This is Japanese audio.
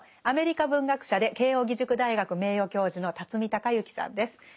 アメリカ文学者で慶應義塾大学名誉教授の孝之さんです。